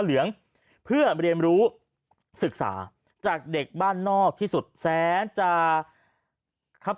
เหลืองเพื่อเรียนรู้ศึกษาจากเด็กบ้านนอกที่สุดแสนจะครับ